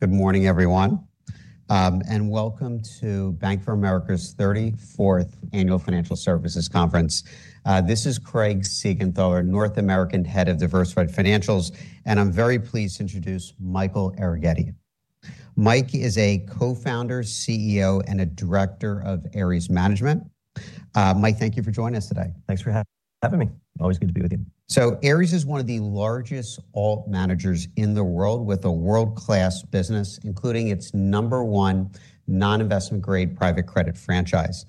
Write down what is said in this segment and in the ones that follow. Good morning, everyone, and welcome to Bank of America's 34th Annual Financial Services Conference. This is Craig Siegenthaler, North American Head of Diversified Financials, and I'm very pleased to introduce Michael Arougheti. Mike is a Co-Founder, CEO, and a Director of Ares Management. Mike, thank you for joining us today. Thanks for having me. Always good to be with you. So Ares is one of the largest alt managers in the world, with a world-class business, including its number one non-investment grade private credit franchise.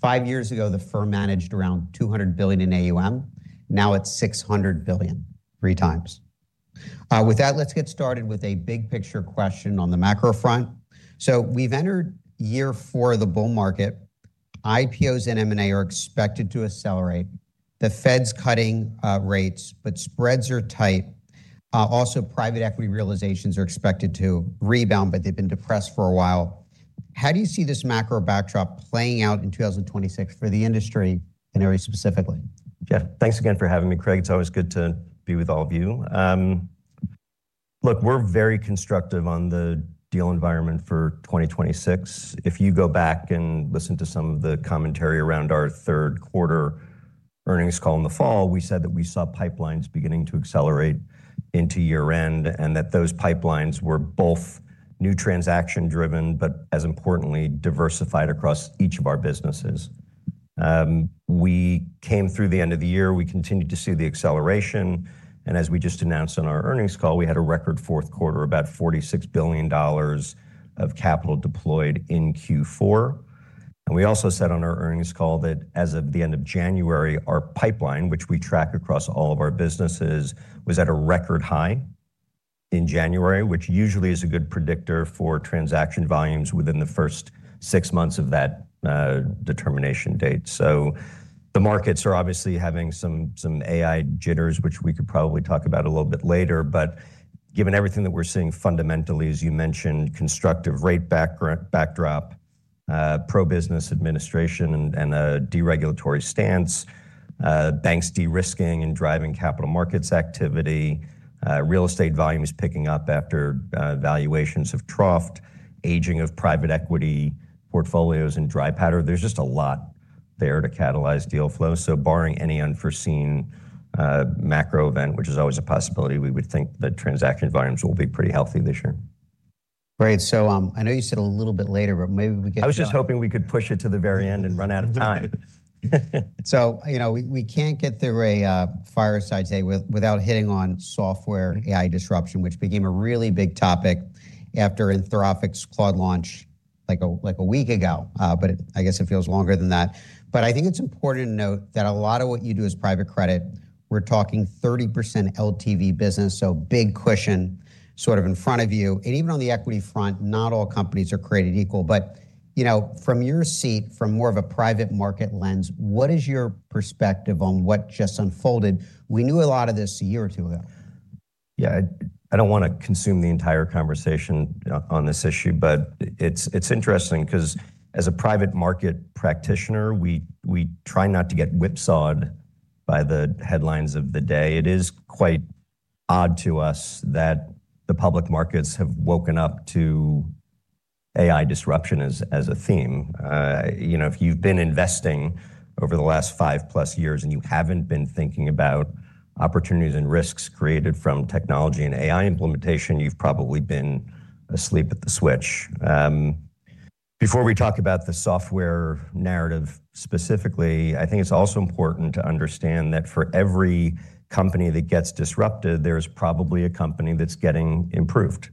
Five years ago, the firm managed around $200 billion in AUM. Now it's $600 billion, three times. With that, let's get started with a big picture question on the macro front. So we've entered year four of the bull market. IPOs and M&A are expected to accelerate. The Fed's cutting rates, but spreads are tight. private equity realizations are expected to rebound, but they've been depressed for a while. How do you see this macro backdrop playing out in 2026 for the industry and Ares specifically? Yeah. Thanks again for having me, Craig. It's always good to be with all of you. Look, we're very constructive on the deal environment for 2026. If you go back and listen to some of the commentary around our third quarter earnings call in the fall, we said that we saw pipelines beginning to accelerate into year-end, and that those pipelines were both new transaction driven, but as importantly, diversified across each of our businesses. We came through the end of the year, we continued to see the acceleration, and as we just announced on our earnings call, we had a record fourth quarter, about $46 billion of capital deployed in Q4. And we also said on our earnings call that, as of the end of January, our pipeline, which we track across all of our businesses, was at a record high in January, which usually is a good predictor for transaction volumes within the first six months of that, determination date. So the markets are obviously having some AI jitters, which we could probably talk about a little bit later. But given everything that we're seeing fundamentally, as you mentioned, constructive rate backdrop, pro-business administration and a deregulatory stance, banks de-risking and driving capital markets activity, real estate volume is picking up after valuations have troughed, aging private equity portfolios and dry powder. There's just a lot there to catalyze deal flow. So barring any unforeseen, macro event, which is always a possibility, we would think that transaction volumes will be pretty healthy this year. Great. So, I know you said a little bit later, but maybe we could- I was just hoping we could push it to the very end and run out of time. So, you know, we can't get through a fireside chat without hitting on software AI disruption, which became a really big topic after Anthropic's Claude launch, like a week ago. But I guess it feels longer than that. But I think it's important to note that a lot of what you do is private credit. We're talking 30% LTV business, so big cushion sort of in front of you. And even on the equity front, not all companies are created equal. But, you know, from your seat, from more of a private market lens, what is your perspective on what just unfolded? We knew a lot of this a year or two ago. Yeah, I don't want to consume the entire conversation on this issue, but it's interesting because as a private market practitioner, we try not to get whipsawed by the headlines of the day. It is quite odd to us that the public markets have woken up to AI disruption as a theme. You know, if you've been investing over the last 5+ years, and you haven't been thinking about opportunities and risks created from technology and AI implementation, you've probably been asleep at the switch. Before we talk about the software narrative specifically, I think it's also important to understand that for every company that gets disrupted, there's probably a company that's getting improved.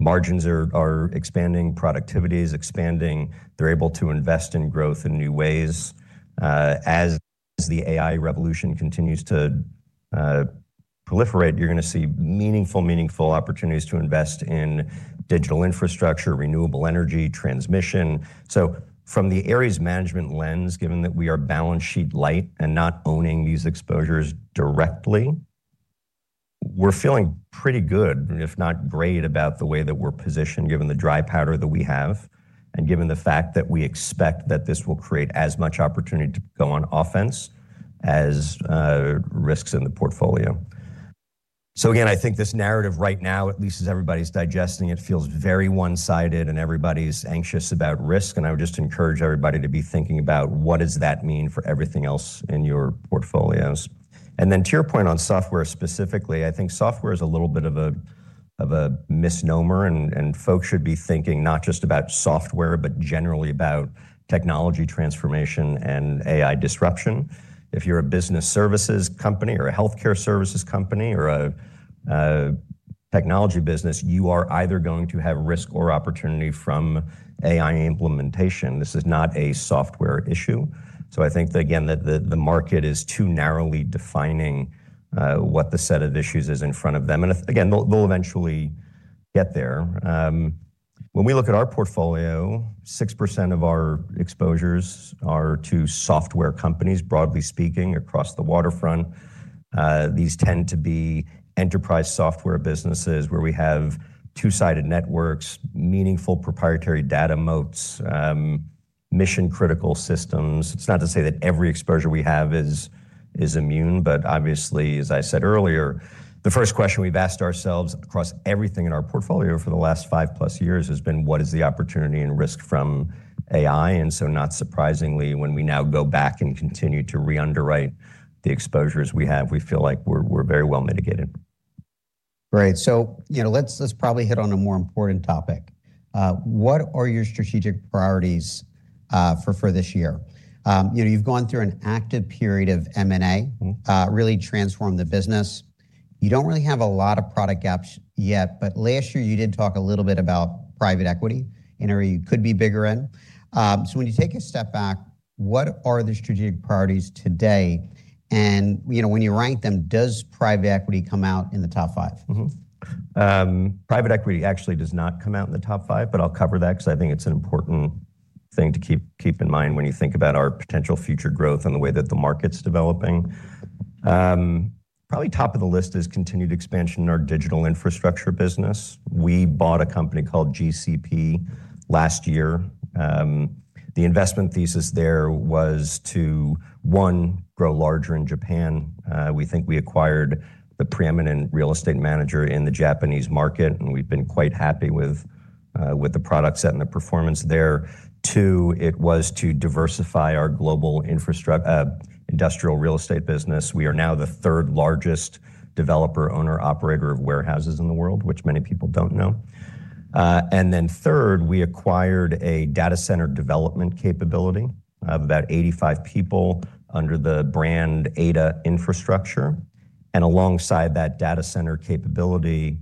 Margins are expanding, productivity is expanding. They're able to invest in growth in new ways. As the AI revolution continues to proliferate, you're going to see meaningful, meaningful opportunities to invest in digital infrastructure, renewable energy, transmission. So from the Ares Management lens, given that we are balance sheet light and not owning these exposures directly, we're feeling pretty good, if not great, about the way that we're positioned, given the dry powder that we have, and given the fact that we expect that this will create as much opportunity to go on offense as risks in the portfolio. So again, I think this narrative right now, at least as everybody's digesting it, feels very one-sided and everybody's anxious about risk. And I would just encourage everybody to be thinking about what does that mean for everything else in your portfolios. And then to your point on software specifically, I think software is a little bit of a, of a misnomer, and, and folks should be thinking not just about software, but generally about technology transformation and AI disruption. If you're a business services company or a healthcare services company or a, a technology business, you are either going to have risk or opportunity from AI implementation. This is not a software issue. So I think that, again, the, the market is too narrowly defining what the set of issues is in front of them. And again, they'll, they'll eventually get there. When we look at our portfolio, 6% of our exposures are to software companies, broadly speaking, across the waterfront. These tend to be enterprise software businesses where we have two-sided networks, meaningful proprietary data moats, mission-critical systems. It's not to say that every exposure we have is immune, but obviously, as I said earlier, the first question we've asked ourselves across everything in our portfolio for the last 5+ years has been: What is the opportunity and risk from AI? And so not surprisingly, when we now go back and continue to re-underwrite the exposures we have, we feel like we're very well mitigated. Great. So, you know, let's, let's probably hit on a more important topic. What are your strategic priorities, for this year? You know, you've gone through an active period of M&A- Mm-hmm... really transformed the business. You don't really have a lot of product gaps yet, but last year, you did talk a little bit private equity, an area you could be bigger in. So when you take a step back, what are the strategic priorities today? And, you know, when you rank them, private equity come out in the top five? Mm-hmm. Private equity actually does not come out in the top five, but I'll cover that because I think it's an important thing to keep in mind when you think about our potential future growth and the way that the market's developing. Probably top of the list is continued expansion in our digital infrastructure business. We bought a company called GCP last year. The investment thesis there was to, one, grow larger in Japan. We think we acquired the preeminent real estate manager in the Japanese market, and we've been quite happy with the product set and the performance there. Two, it was to diversify our global industrial real estate business. We are now the third-largest developer, owner, operator of warehouses in the world, which many people don't know. And then third, we acquired a data center development capability of about 85 people under the brand Ada Infrastructure. And alongside that data center capability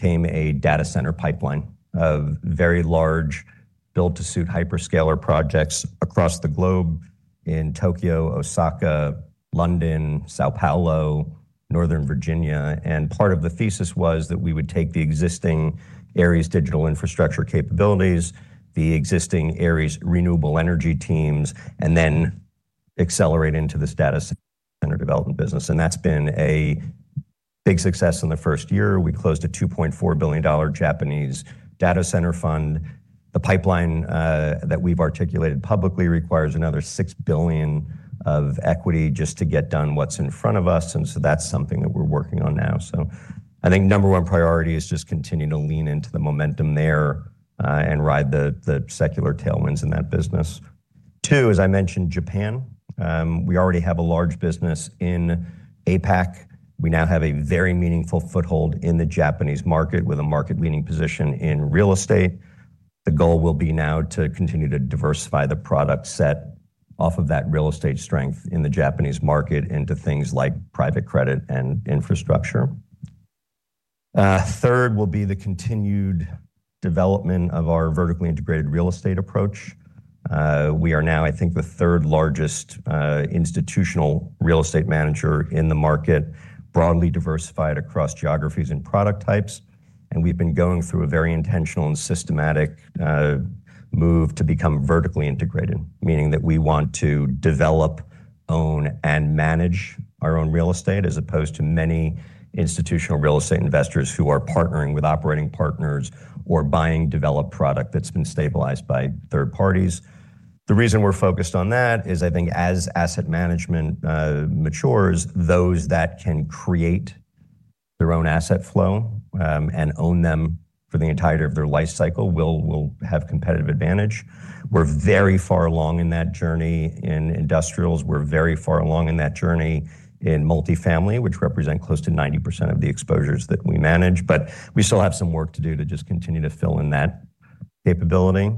came a data center pipeline of very large build-to-suit hyperscaler projects across the globe in Tokyo, Osaka, London, São Paulo, Northern Virginia. And part of the thesis was that we would take the existing Ares digital infrastructure capabilities, the existing Ares renewable energy teams, and then accelerate into this data center development business, and that's been a big success. In the first year, we closed a $2.4 billion Japanese data center fund. The pipeline that we've articulated publicly requires another $6 billion of equity just to get done what's in front of us, and so that's something that we're working on now. So I think number one priority is just continuing to lean into the momentum there, and ride the, the secular tailwinds in that business. Two, as I mentioned, Japan. We already have a large business in APAC. We now have a very meaningful foothold in the Japanese market with a market-leading position in real estate. The goal will be now to continue to diversify the product set off of that real estate strength in the Japanese market into things like private credit and infrastructure. Third will be the continued development of our vertically integrated real estate approach. We are now, I think, the third-largest institutional real estate manager in the market, broadly diversified across geographies and product types, and we've been going through a very intentional and systematic move to become vertically integrated, meaning that we want to develop, own, and manage our own real estate, as opposed to many institutional real estate investors who are partnering with operating partners or buying developed product that's been stabilized by third parties. The reason we're focused on that is I think as asset management matures, those that can create their own asset flow and own them for the entirety of their life cycle will, will have competitive advantage. We're very far along in that journey in industrials. We're very far along in that journey in multifamily, which represent close to 90% of the exposures that we manage. But we still have some work to do to just continue to fill in that capability.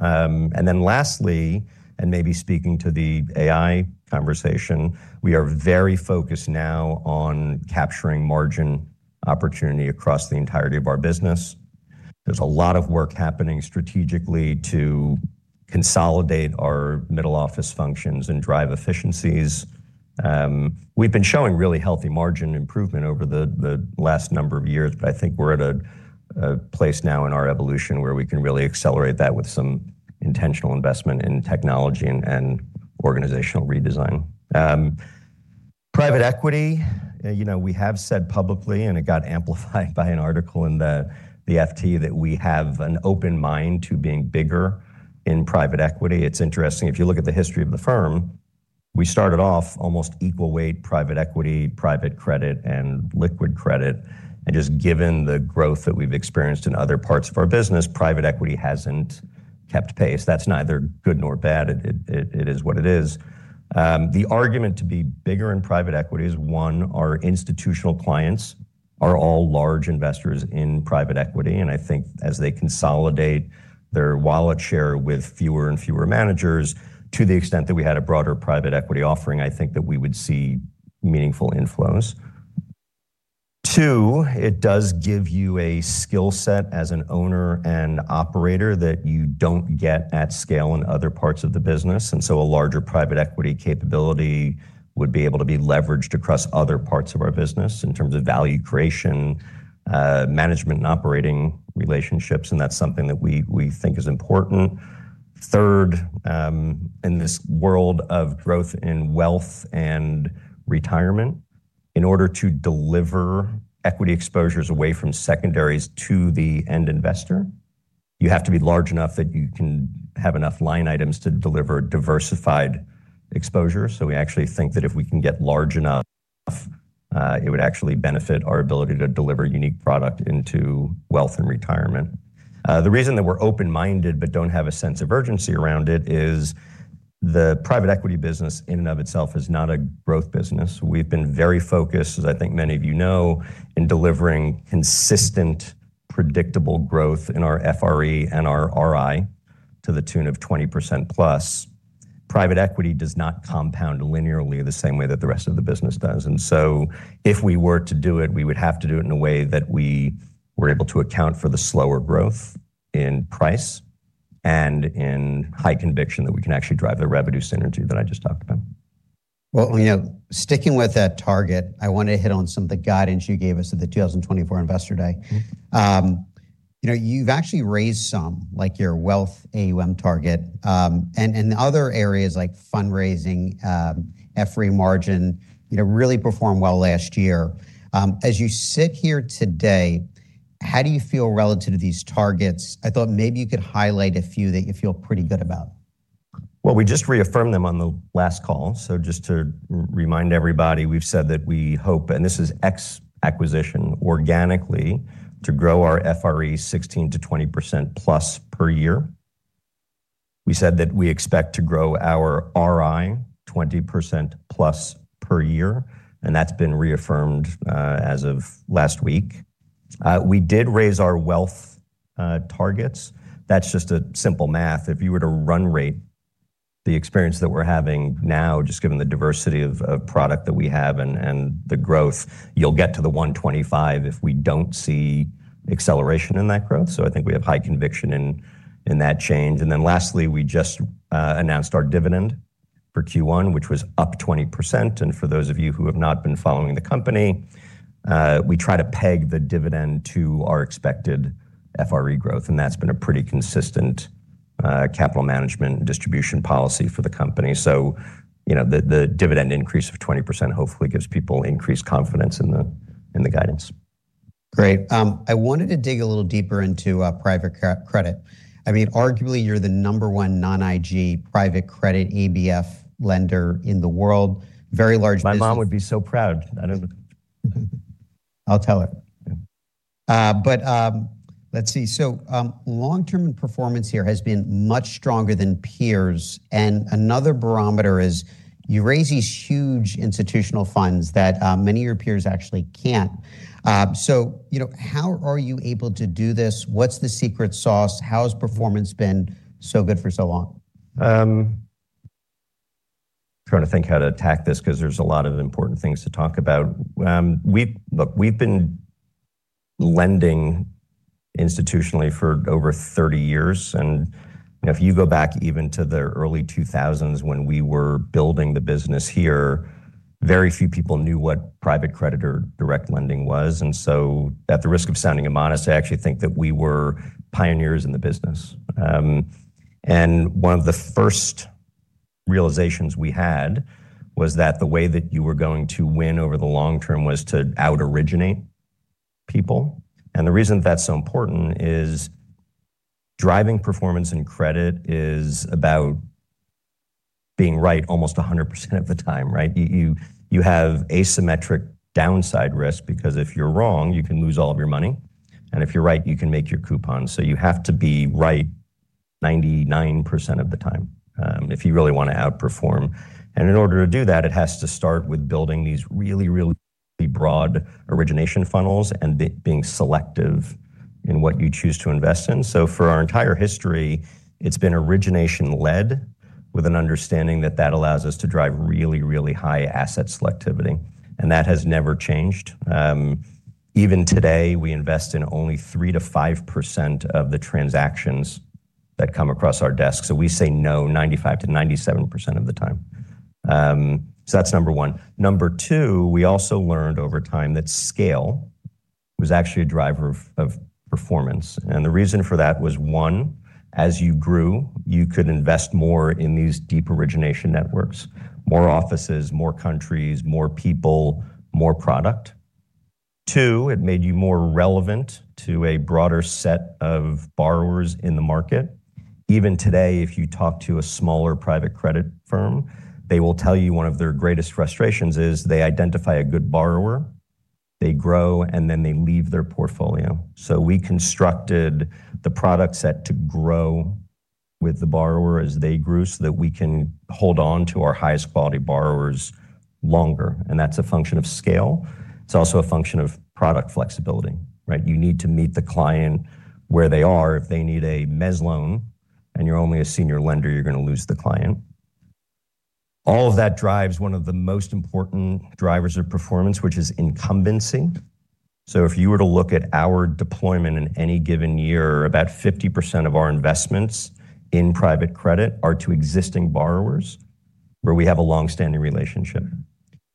And then lastly, and maybe speaking to the AI conversation, we are very focused now on capturing margin opportunity across the entirety of our business. There's a lot of work happening strategically to consolidate our middle-office functions and drive efficiencies. We've been showing really healthy margin improvement over the last number of years, but I think we're at a place now in our evolution where we can really accelerate that with some intentional investment in technology and organizational redesign. Private equity, you know, we have said publicly, and it got amplified by an article in the FT, that we have an open mind to being bigger in private equity. It's interesting, if you look at the history of the firm, we started off almost equal private equity, private credit, and liquid credit. Just given the growth that we've experienced in other parts of our private equity hasn't kept pace. That's neither good nor bad. It is what it is. The argument to be bigger private equity is, one, our institutional clients are all large investors private equity, and I think as they consolidate their wallet share with fewer and fewer managers, to the extent that we had a private equity offering, I think that we would see meaningful inflows. Two, it does give you a skill set as an owner and operator that you don't get at scale in other parts of the business, and so a private equity capability would be able to be leveraged across other parts of our business in terms of value creation, management, and operating relationships, and that's something that we think is important. Third, in order to deliver equity exposures away from secondaries to the end investor, you have to be large enough that you can have enough line items to deliver diversified exposure. So we actually think that if we can get large enough, it would actually benefit our ability to deliver unique product into wealth and retirement. The reason that we're open-minded but don't have a sense of urgency around it is private equity business, in and of itself, is not a growth business. We've been very focused, as I think many of you know, in delivering consistent, predictable growth in our FRE and our RI to the tune of 20%+. Private equity does not compound linearly the same way that the rest of the business does, and so if we were to do it, we would have to do it in a way that we were able to account for the slower growth in price and in high conviction that we can actually drive the revenue synergy that I just talked about. Well, you know, sticking with that target, I want to hit on some of the guidance you gave us at the 2024 Investor Day. Mm-hmm. You know, you've actually raised some, like your wealth AUM target, and other areas like fundraising, FRE margin, you know, really performed well last year. As you sit here today, how do you feel relative to these targets? I thought maybe you could highlight a few that you feel pretty good about. Well, we just reaffirmed them on the last call. So just to remind everybody, we've said that we hope, and this is ex acquisition, organically, to grow our FRE 16%-20%+ per year. We said that we expect to grow our RI 20%+ per year, and that's been reaffirmed as of last week. We did raise our wealth targets. That's just a simple math. If you were to run rate the experience that we're having now, just given the diversity of product that we have and the growth, you'll get to the 125 if we don't see acceleration in that growth. So I think we have high conviction in that change. And then lastly, we just announced our dividend for Q1, which was up 20%. For those of you who have not been following the company, we try to peg the dividend to our expected FRE growth, and that's been a pretty consistent capital management distribution policy for the company. So, you know, the dividend increase of 20% hopefully gives people increased confidence in the guidance. Great. I wanted to dig a little deeper into private credit. I mean, arguably, you're the number one non-IG private credit ABF lender in the world. Very large business- My mom would be so proud. I don't... I'll tell her. Yeah. Let's see. Long-term performance here has been much stronger than peers, and another barometer is you raise these huge institutional funds that many of your peers actually can't. You know, how are you able to do this? What's the secret sauce? How has performance been so good for so long? Trying to think how to attack this, 'cause there's a lot of important things to talk about. Look, we've been lending institutionally for over 30 years, and, you know, if you go back even to the early 2000s when we were building the business here, very few people knew what private credit or direct lending was. And so at the risk of sounding immodest, I actually think that we were pioneers in the business. And one of the first realizations we had, was that the way that you were going to win over the long term was to out-originate people. And the reason that's so important is driving performance and credit is about being right almost 100% of the time, right? You have asymmetric downside risk, because if you're wrong, you can lose all of your money, and if you're right, you can make your coupon. So you have to be right 99% of the time, if you really want to outperform. And in order to do that, it has to start with building these really, really broad origination funnels and being selective in what you choose to invest in. So for our entire history, it's been origination-led, with an understanding that that allows us to drive really, really high asset selectivity, and that has never changed. Even today, we invest in only 3%-5% of the transactions that come across our desk. So we say no, 95%-97% of the time. So that's number one. Number two, we also learned over time that scale was actually a driver of performance, and the reason for that was, one, as you grew, you could invest more in these deep origination networks, more offices, more countries, more people, more product. Two, it made you more relevant to a broader set of borrowers in the market. Even today, if you talk to a smaller private credit firm, they will tell you one of their greatest frustrations is they identify a good borrower, they grow, and then they leave their portfolio. So we constructed the product set to grow with the borrower as they grew, so that we can hold on to our highest quality borrowers longer, and that's a function of scale. It's also a function of product flexibility, right? You need to meet the client where they are. If they need a mezz loan and you're only a senior lender, you're gonna lose the client. All of that drives one of the most important drivers of performance, which is incumbency. So if you were to look at our deployment in any given year, about 50% of our investments in private credit are to existing borrowers, where we have a long-standing relationship.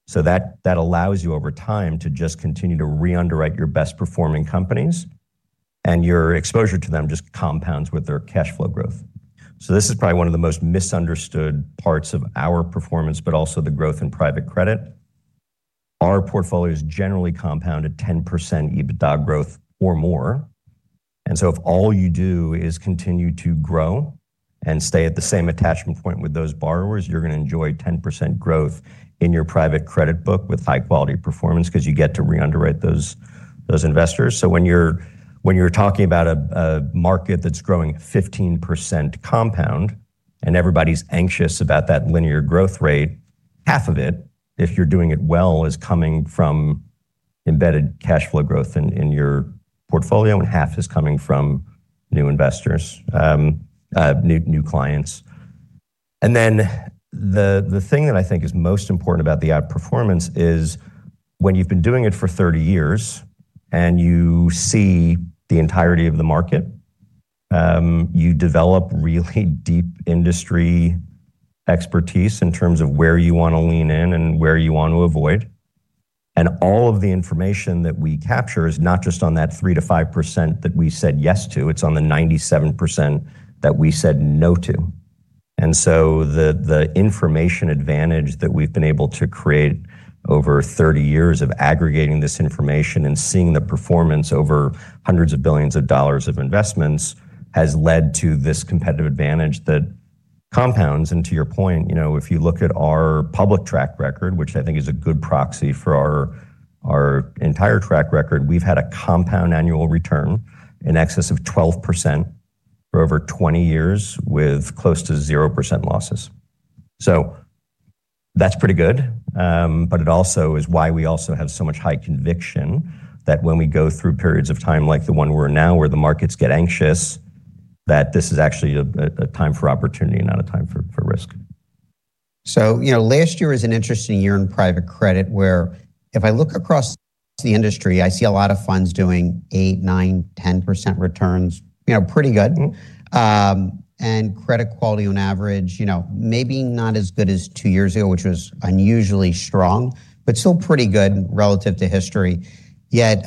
So that, that allows you over time to just continue to re-underwrite your best performing companies... and your exposure to them just compounds with their cash flow growth. So this is probably one of the most misunderstood parts of our performance, but also the growth in private credit. Our portfolios generally compound at 10% EBITDA growth or more, and so if all you do is continue to grow and stay at the same attachment point with those borrowers, you're going to enjoy 10% growth in your private credit book with high-quality performance because you get to re-underwrite those investors. So when you're talking about a market that's growing at 15% compound, and everybody's anxious about that linear growth rate, half of it, if you're doing it well, is coming from embedded cash flow growth in your portfolio, and half is coming from new investors, new clients. And then the thing that I think is most important about the outperformance is when you've been doing it for 30 years and you see the entirety of the market, you develop really deep industry expertise in terms of where you want to lean in and where you want to avoid. And all of the information that we capture is not just on that 3%-5% that we said yes to, it's on the 97% that we said no to. And so the information advantage that we've been able to create over 30 years of aggregating this information and seeing the performance over hundreds of billions of dollars of investments has led to this competitive advantage that compounds. And to your point, you know, if you look at our public track record, which I think is a good proxy for our entire track record, we've had a compound annual return in excess of 12% for over 20 years, with close to 0% losses. So that's pretty good. But it also is why we also have so much high conviction that when we go through periods of time like the one we're in now, where the markets get anxious, that this is actually a time for opportunity and not a time for risk. So, you know, last year was an interesting year in private credit, where if I look across the industry, I see a lot of funds doing eight, nine, 10% returns. You know, pretty good. Mm-hmm. Credit quality on average, you know, maybe not as good as two years ago, which was unusually strong, but still pretty good relative to history. Yet,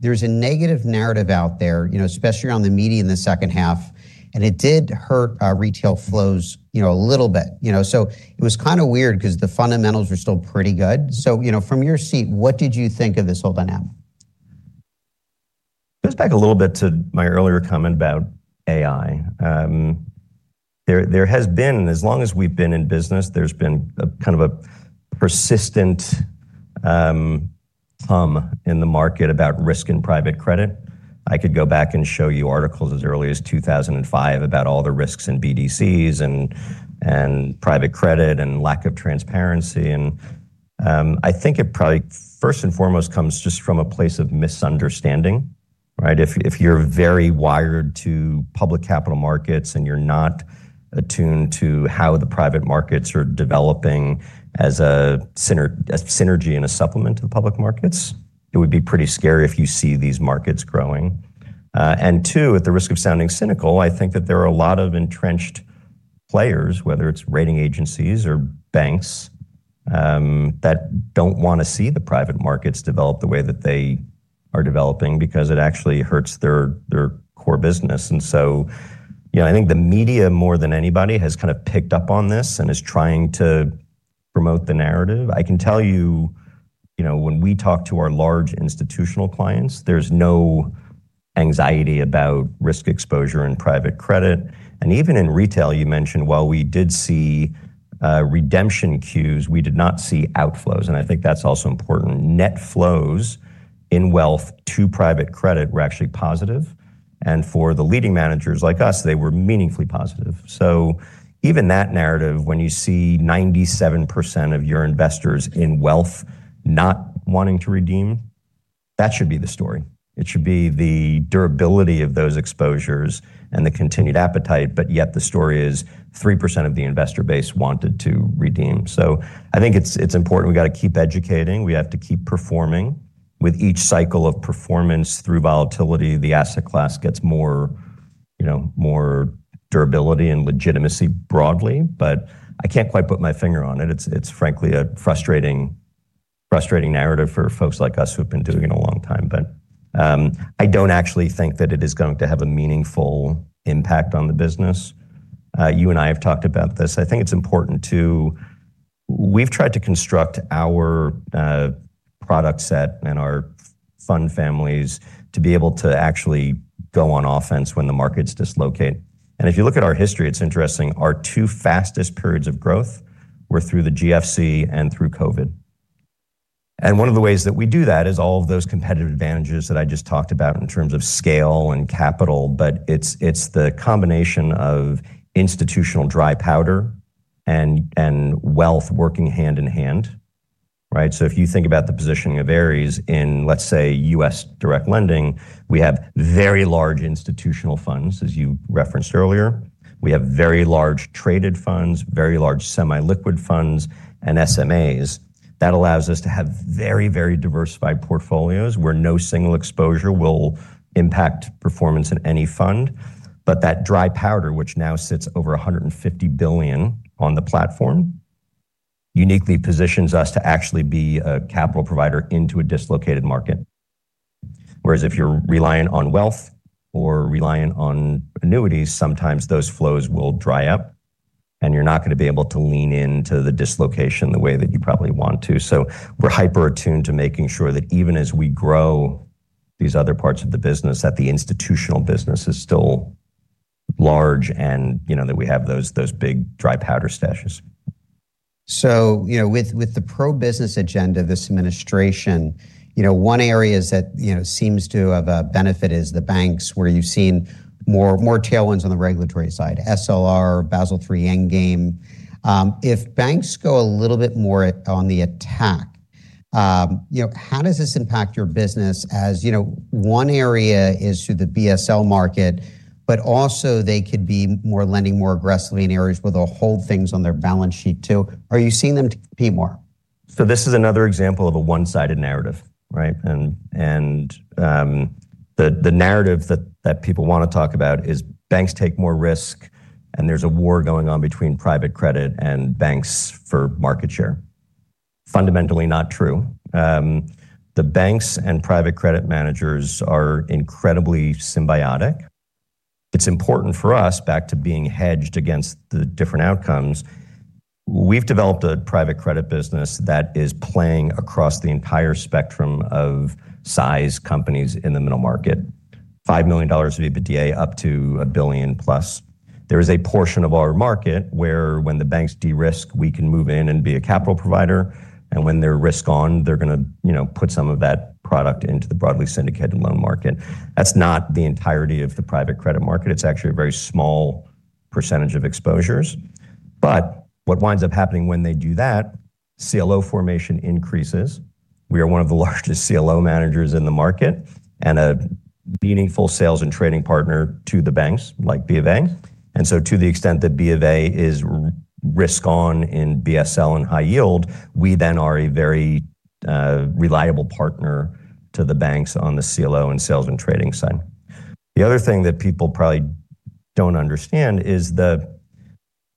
there's a negative narrative out there, you know, especially around the media in the second half, and it did hurt retail flows, you know, a little bit. You know, so it was kind of weird because the fundamentals were still pretty good. So, you know, from your seat, what did you think of this whole dynamic? Goes back a little bit to my earlier comment about AI. There, there has been, as long as we've been in business, there's been a kind of a persistent hum in the market about risk and private credit. I could go back and show you articles as early as 2005 about all the risks in BDCs and private credit and lack of transparency, and I think it probably, first and foremost, comes just from a place of misunderstanding, right? If you're very wired to public capital markets and you're not attuned to how the private markets are developing as a synergy, as synergy and a supplement to the public markets, it would be pretty scary if you see these markets growing. And two, at the risk of sounding cynical, I think that there are a lot of entrenched players, whether it's rating agencies or banks, that don't want to see the private markets develop the way that they are developing because it actually hurts their, their core business. And so, you know, I think the media, more than anybody, has kind of picked up on this and is trying to promote the narrative. I can tell you, you know, when we talk to our large institutional clients, there's no anxiety about risk exposure and private credit. And even in retail, you mentioned, while we did see, redemption queues, we did not see outflows, and I think that's also important. Net flows in wealth to private credit were actually positive, and for the leading managers like us, they were meaningfully positive. So even that narrative, when you see 97% of your investors in wealth not wanting to redeem, that should be the story. It should be the durability of those exposures and the continued appetite, but yet the story is 3% of the investor base wanted to redeem. So I think it's, it's important. We got to keep educating, we have to keep performing. With each cycle of performance through volatility, the asset class gets more, you know, more durability and legitimacy broadly, but I can't quite put my finger on it. It's, it's frankly a frustrating, frustrating narrative for folks like us who've been doing it a long time. But, I don't actually think that it is going to have a meaningful impact on the business. You and I have talked about this. I think it's important to... We've tried to construct our product set and our fund families to be able to actually go on offense when the markets dislocate. And if you look at our history, it's interesting. Our two fastest periods of growth were through the GFC and through COVID. And one of the ways that we do that is all of those competitive advantages that I just talked about in terms of scale and capital, but it's the combination of institutional dry powder and wealth working hand in hand, right? So if you think about the positioning of Ares in, let's say, U.S. direct lending, we have very large institutional funds, as you referenced earlier. We have very large traded funds, very large semi-liquid funds and SMAs. That allows us to have very, very diversified portfolios, where no single exposure will impact performance in any fund. But that dry powder, which now sits over $150 billion on the platform, uniquely positions us to actually be a capital provider into a dislocated market. Whereas if you're reliant on wealth or reliant on annuities, sometimes those flows will dry up, and you're not gonna be able to lean into the dislocation the way that you probably want to. So we're hyper-attuned to making sure that even as we grow these other parts of the business, that the institutional business is still large and, you know, that we have those big dry powder stashes. So, you know, with the pro-business agenda, this administration, you know, one area is that, you know, seems to have a benefit is the banks, where you've seen more tailwinds on the regulatory side, SLR, Basel III Endgame. If banks go a little bit more on the attack, you know, how does this impact your business? As you know, one area is through the BSL market, but also they could be more lending more aggressively in areas where they'll hold things on their balance sheet, too. Are you seeing them compete more? So this is another example of a one-sided narrative, right? The narrative that people wanna talk about is banks take more risk, and there's a war going on between private credit and banks for market share. Fundamentally not true. The banks and private credit managers are incredibly symbiotic. It's important for us back to being hedged against the different outcomes. We've developed a private credit business that is playing across the entire spectrum of size companies in the middle market. $5 million of EBITDA, up to $1 billion+. There is a portion of our market where when the banks de-risk, we can move in and be a capital provider, and when they're risk-on, they're gonna, you know, put some of that product into the broadly syndicated loan market. That's not the entirety of the private credit market. It's actually a very small percentage of exposures. But what winds up happening when they do that, CLO formation increases. We are one of the largest CLO managers in the market and a meaningful sales and trading partner to the banks, like BofA. And so to the extent that BofA is risk-on in BSL and high yield, we then are a very reliable partner to the banks on the CLO and sales and trading side. The other thing that people probably don't understand is the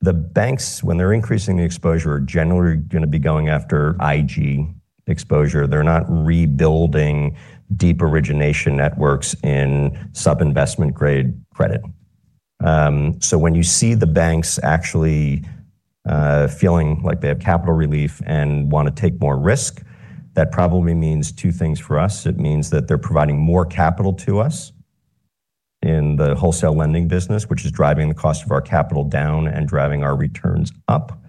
banks, when they're increasing the exposure, are generally gonna be going after IG exposure. They're not rebuilding deep origination networks in sub-investment grade credit. So when you see the banks actually feeling like they have capital relief and wanna take more risk, that probably means two things for us. It means that they're providing more capital to us in the wholesale lending business, which is driving the cost of our capital down and driving our returns up.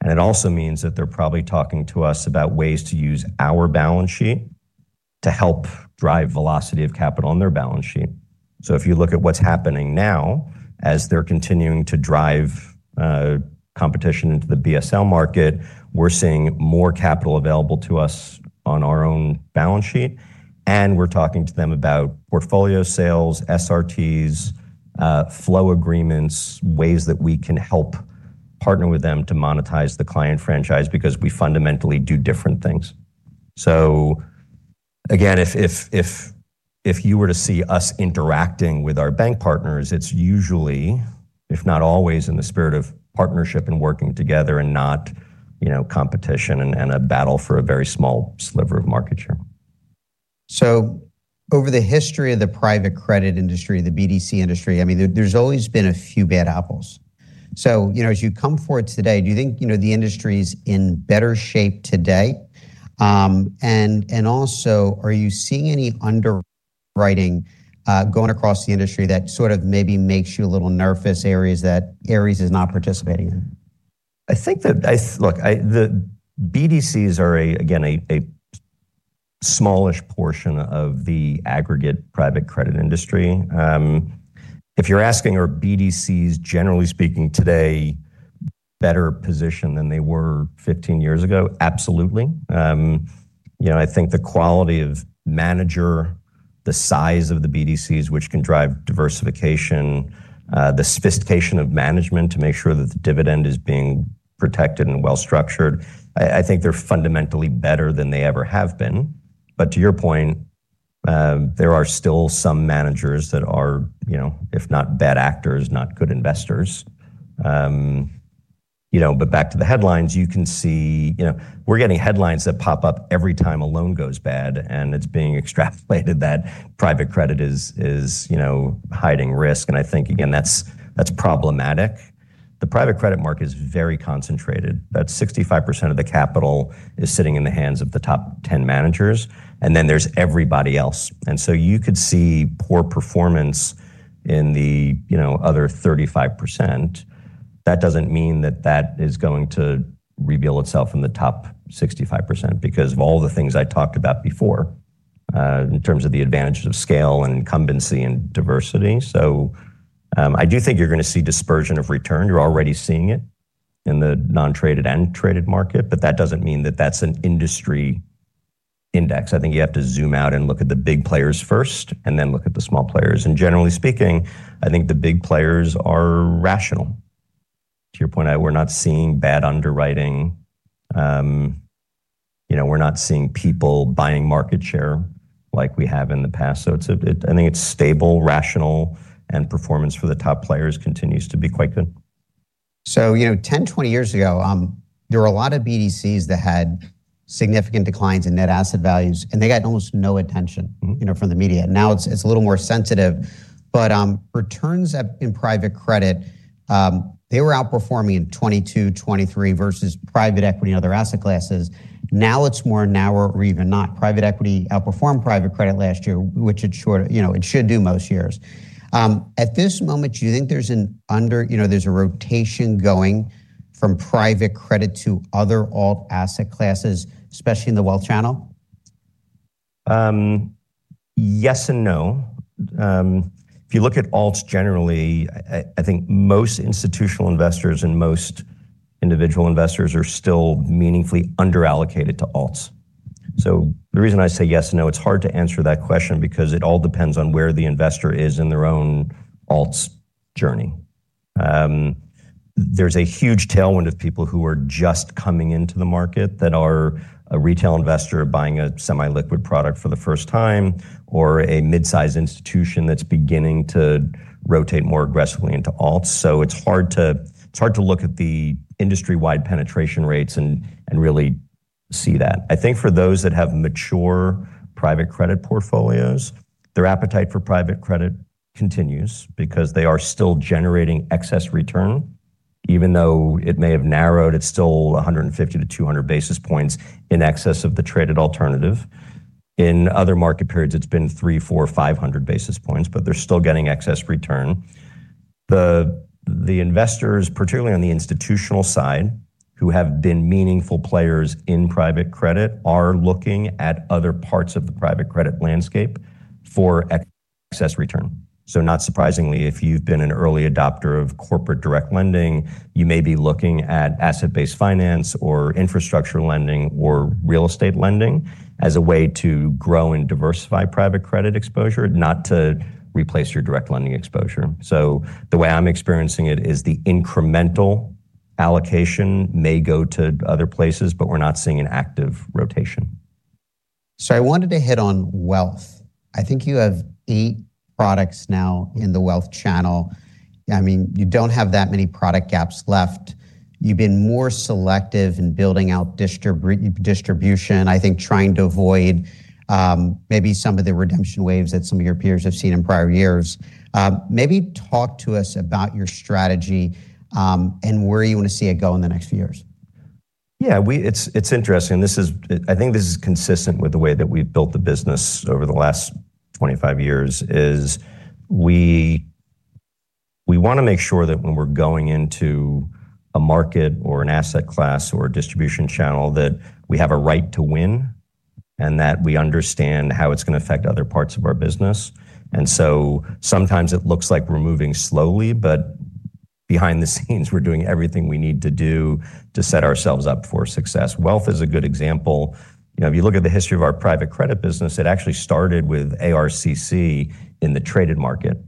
And it also means that they're probably talking to us about ways to use our balance sheet to help drive velocity of capital on their balance sheet. So if you look at what's happening now, as they're continuing to drive competition into the BSL market, we're seeing more capital available to us on our own balance sheet, and we're talking to them about portfolio sales, SRTs, flow agreements, ways that we can help partner with them to monetize the client franchise because we fundamentally do different things. So again, if you were to see us interacting with our bank partners, it's usually, if not always, in the spirit of partnership and working together and not, you know, competition and a battle for a very small sliver of market share. So over the history of the private credit industry, the BDC industry, I mean, there's always been a few bad apples. So, you know, as you come forward today, do you think, you know, the industry's in better shape today? And also, are you seeing any underwriting going across the industry that sort of maybe makes you a little nervous, areas that Ares is not participating in? I think that look, the BDCs are again a smallish portion of the aggregate private credit industry. If you're asking, are BDCs, generally speaking, today, better positioned than they were 15 years ago? Absolutely. You know, I think the quality of manager, the size of the BDCs, which can drive diversification, the sophistication of management to make sure that the dividend is being protected and well-structured, I think they're fundamentally better than they ever have been. But to your point, there are still some managers that are, you know, if not bad actors, not good investors. You know, but back to the headlines, you can see you know, we're getting headlines that pop up every time a loan goes bad, and it's being extrapolated that private credit is, you know, hiding risk. And I think, again, that's problematic. The private credit market is very concentrated. About 65% of the capital is sitting in the hands of the top 10 managers, and then there's everybody else. And so you could see poor performance in the, you know, other 35%. That doesn't mean that that is going to reveal itself in the top 65%, because of all the things I talked about before, in terms of the advantages of scale and incumbency and diversity. So, I do think you're gonna see dispersion of return. You're already seeing it in the non-traded and traded market, but that doesn't mean that that's an industry index. I think you have to zoom out and look at the big players first, and then look at the small players. And generally speaking, I think the big players are rational. To your point, we're not seeing bad underwriting. You know, we're not seeing people buying market share like we have in the past. So it's, I think it's stable, rational, and performance for the top players continues to be quite good. You know, 10, 20 years ago, there were a lot of BDCs that had significant declines in net asset values, and they got almost no attention- Mm-hmm. You know, from the media. Now it's, it's a little more sensitive, but, returns at, in private credit, they were outperforming in 2022, 2023 private equity and other asset classes. Now it's more narrow or even not. Private equity outperformed private credit last year, which it should, you know, it should do most years. At this moment, do you think there's an under-- you know, there's a rotation going from private credit to other alt asset classes, especially in the wealth channel? Yes and no. If you look at alts, generally, I, I think most institutional investors and most individual investors are still meaningfully underallocated to alts. So the reason I say yes and no, it's hard to answer that question because it all depends on where the investor is in their own alts journey. There's a huge tailwind of people who are just coming into the market that are a retail investor buying a semi-liquid product for the first time, or a mid-sized institution that's beginning to rotate more aggressively into alts. So it's hard to, it's hard to look at the industry-wide penetration rates and, and really see that. I think for those that have mature private credit portfolios, their appetite for private credit continues because they are still generating excess return. Even though it may have narrowed, it's still 150-200 basis points in excess of the traded alternative. In other market periods, it's been 300, 400, 500 basis points, but they're still getting excess return. The investors, particularly on the institutional side, who have been meaningful players in private credit, are looking at other parts of the private credit landscape for excess return. So not surprisingly, if you've been an early adopter of corporate direct lending, you may be looking at asset-based finance or infrastructure lending or real estate lending as a way to grow and diversify private credit exposure, not to replace your direct lending exposure. So the way I'm experiencing it is the incremental allocation may go to other places, but we're not seeing an active rotation. I wanted to hit on wealth. I think you have eight products now in the wealth channel. I mean, you don't have that many product gaps left. You've been more selective in building out distribution, I think trying to avoid maybe some of the redemption waves that some of your peers have seen in prior years. Maybe talk to us about your strategy and where you want to see it go in the next few years. Yeah, it's interesting, and this is—I think this is consistent with the way that we've built the business over the last 25 years, is we wanna make sure that when we're going into a market or an asset class or a distribution channel, that we have a right to win and that we understand how it's gonna affect other parts of our business. And so sometimes it looks like we're moving slowly, but behind the scenes, we're doing everything we need to do to set ourselves up for success. Wealth is a good example. You know, if you look at the history of our private credit business, it actually started with ARCC in the traded market.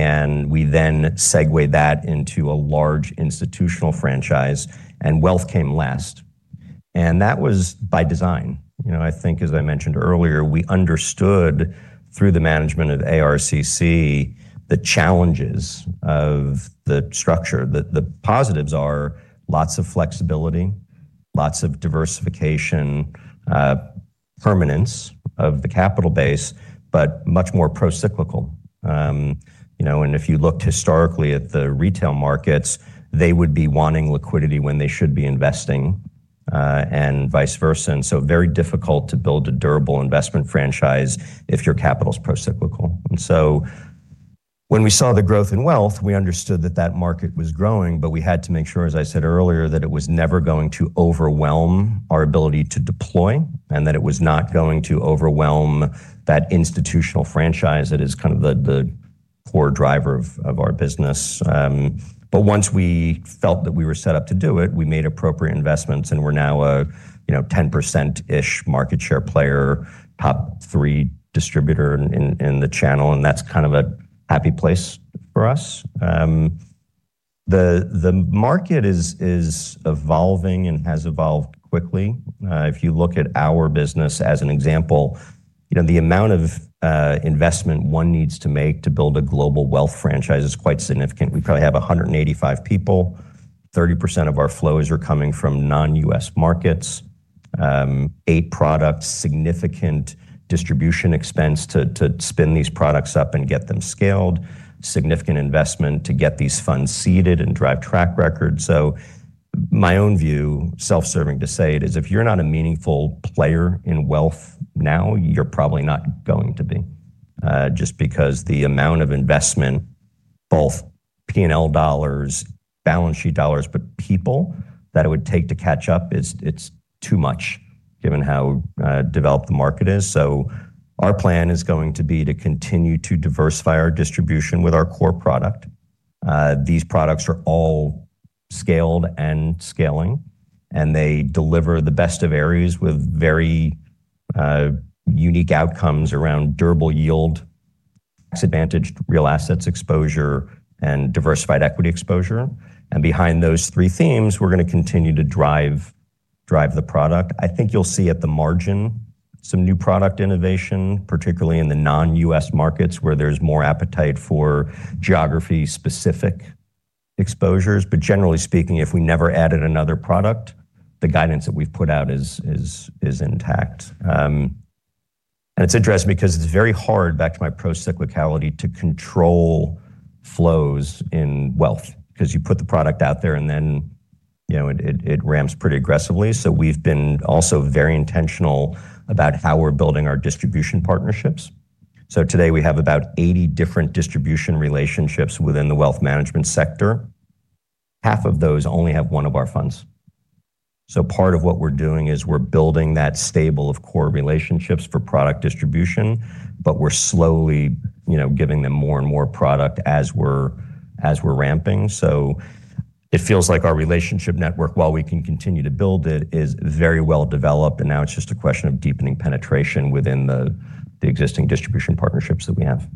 And we then segued that into a large institutional franchise, and wealth came last, and that was by design. You know, I think, as I mentioned earlier, we understood through the management of ARCC, the challenges of the structure. The positives are lots of flexibility, lots of diversification, permanence of the capital base, but much more procyclical. You know, and if you looked historically at the retail markets, they would be wanting liquidity when they should be investing, and vice versa. And so very difficult to build a durable investment franchise if your capital is procyclical. And so when we saw the growth in wealth, we understood that that market was growing, but we had to make sure, as I said earlier, that it was never going to overwhelm our ability to deploy and that it was not going to overwhelm that institutional franchise that is kind of the core driver of our business. But once we felt that we were set up to do it, we made appropriate investments, and we're now a, you know, 10%-ish market share player, top 3 distributor in the channel, and that's kind of a happy place for us. The market is evolving and has evolved quickly. If you look at our business as an example, you know, the amount of investment one needs to make to build a global wealth franchise is quite significant. We probably have 185 people. 30% of our flows are coming from non-U.S. markets, 8 products, significant distribution expense to spin these products up and get them scaled, significant investment to get these funds seeded and drive track record. So my own view, self-serving to say it, is if you're not a meaningful player in wealth now, you're probably not going to be, just because the amount of investment, both P&L dollars, balance sheet dollars, but people that it would take to catch up is—it's too much given how developed the market is. So our plan is going to be to continue to diversify our distribution with our core product. These products are all scaled and scaling, and they deliver the best of Ares with very unique outcomes around durable yield—disadvantaged real assets exposure and diversified equity exposure. And behind those three themes, we're gonna continue to drive, drive the product. I think you'll see at the margin some new product innovation, particularly in the non-U.S. markets, where there's more appetite for geography-specific exposures. But generally speaking, if we never added another product, the guidance that we've put out is intact. And it's interesting because it's very hard, back to my pro-cyclicality, to control flows in wealth. 'Cause you put the product out there, and then, you know, it ramps pretty aggressively. So we've been also very intentional about how we're building our distribution partnerships. So today, we have about 80 different distribution relationships within the wealth management sector. Half of those only have one of our funds. So part of what we're doing is we're building that stable of core relationships for product distribution, but we're slowly, you know, giving them more and more product as we're ramping. So it feels like our relationship network, while we can continue to build it, is very well developed, and now it's just a question of deepening penetration within the existing distribution partnerships that we have.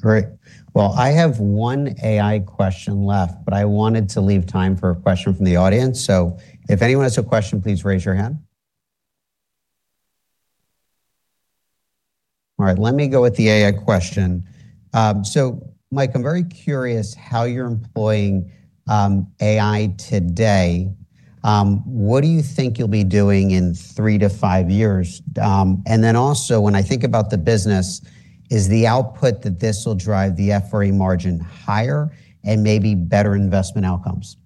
Great. Well, I have one AI question left, but I wanted to leave time for a question from the audience. So if anyone has a question, please raise your hand. All right, let me go with the AI question. So Mike, I'm very curious how you're employing AI today. What do you think you'll be doing in three to five years? And then also, when I think about the business, is the output that this will drive the FRE margin higher and maybe better investment outcomes?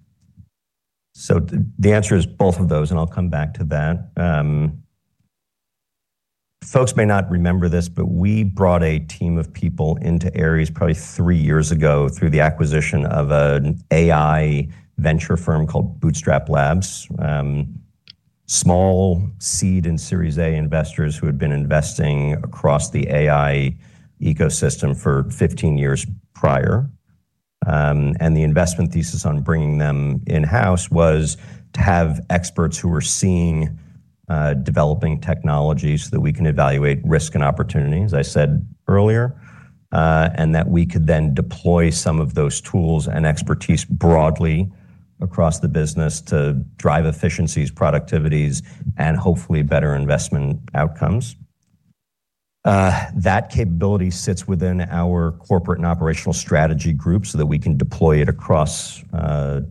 So the answer is both of those, and I'll come back to that. Folks may not remember this, but we brought a team of people into Ares probably three years ago through the acquisition of an AI venture firm called BootstrapLabs. Small seed and Series A investors who had been investing across the AI ecosystem for 15 years prior. And the investment thesis on bringing them in-house was to have experts who were seeing, developing technologies so that we can evaluate risk and opportunity, as I said earlier, and that we could then deploy some of those tools and expertise broadly across the business to drive efficiencies, productivities, and hopefully better investment outcomes. That capability sits within our corporate and operational strategy group so that we can deploy it across the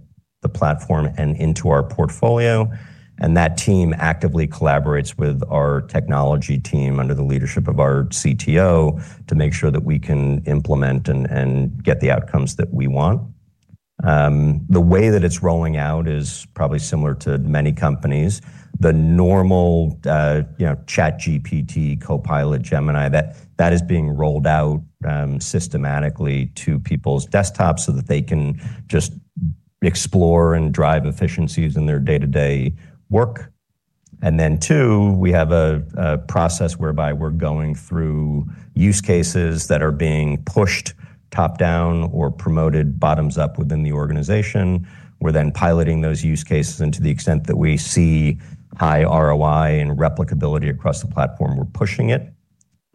platform and into our portfolio, and that team actively collaborates with our technology team under the leadership of our CTO, to make sure that we can implement and get the outcomes that we want. The way that it's rolling out is probably similar to many companies. The normal, you know, ChatGPT, Copilot, Gemini, that is being rolled out systematically to people's desktops so that they can just explore and drive efficiencies in their day-to-day work. And then, too, we have a process whereby we're going through use cases that are being pushed top-down or promoted bottoms-up within the organization. We're then piloting those use cases, and to the extent that we see high ROI and replicability across the platform, we're pushing it.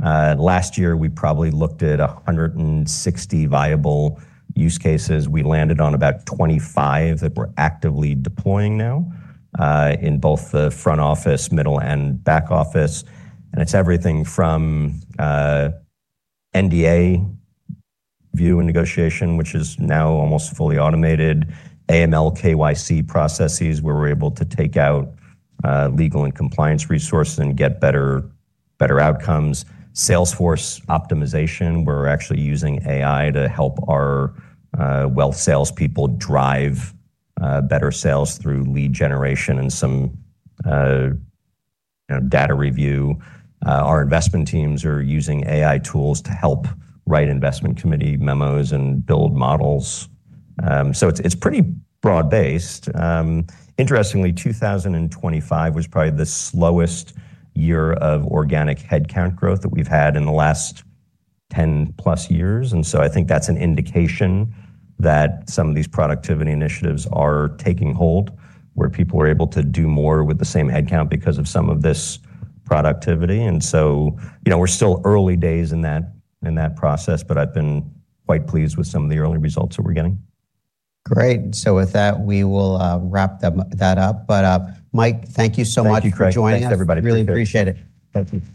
Last year, we probably looked at 160 viable use cases. We landed on about 25 that we're actively deploying now, in both the front office, middle and back office, and it's everything from NDA view and negotiation, which is now almost fully automated, AML, KYC processes, where we're able to take out legal and compliance resources and get better, better outcomes. Salesforce optimization, we're actually using AI to help our wealth salespeople drive better sales through lead generation and some, you know, data review. Our investment teams are using AI tools to help write investment committee memos and build models. So it's, it's pretty broad-based. Interestingly, 2025 was probably the slowest year of organic headcount growth that we've had in the last 10+ years, and so I think that's an indication that some of these productivity initiatives are taking hold, where people are able to do more with the same headcount because of some of this productivity. And so, you know, we're still early days in that, in that process, but I've been quite pleased with some of the early results that we're getting. Great. So with that, we will wrap that up. But, Mike, thank you so much- Thank you, Craig.... for joining us. Thanks, everybody. Really appreciate it. Thanks.